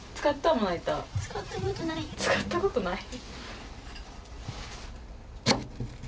「使ったことない」？